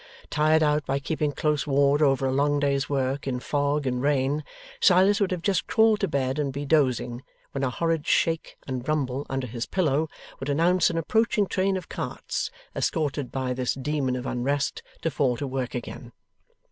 Tired out by keeping close ward over a long day's work in fog and rain, Silas would have just crawled to bed and be dozing, when a horrid shake and rumble under his pillow would announce an approaching train of carts, escorted by this Demon of Unrest, to fall to work again.